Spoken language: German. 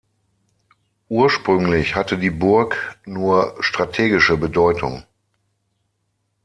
Ursprünglich hatte die Burg nur strategische Bedeutung.